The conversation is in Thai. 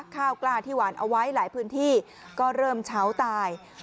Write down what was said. ข้าวกล้าที่หวานเอาไว้หลายพื้นที่ก็เริ่มเช้าตาย